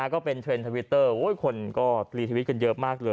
ก็เป็นเทรนด์ทวิตเตอร์คนก็รีทวิตกันเยอะมากเลย